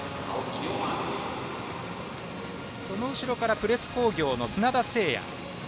その後ろからプレス工業の砂田晟弥。